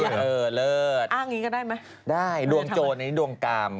ไม่มือทำอย่างนี้ดวงโจรรณ์ดวงกล้าม